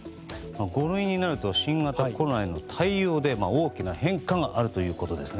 五類になると新型コロナへの対応で大きな変化があるということですね。